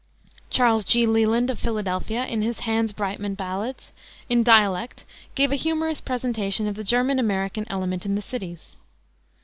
Charles G. Leland, of Philadelphia, in his Hans Breitmann ballads, in dialect, gave a humorous presentation of the German American element in the cities.